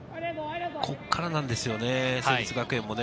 ここからなんですよね、成立学園もね。